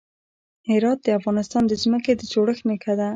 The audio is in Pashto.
هرات د افغانستان د ځمکې د جوړښت نښه ده.